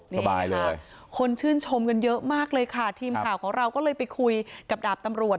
สบายเลยคนชื่นชมกันเยอะมากเลยค่ะทีมข่าวของเราก็เลยไปคุยกับดาบตำรวจ